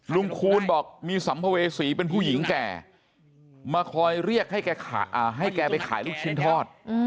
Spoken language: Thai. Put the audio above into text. คูณบอกมีสัมภเวษีเป็นผู้หญิงแก่มาคอยเรียกให้แกไปขายลูกชิ้นทอด